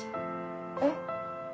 えっ？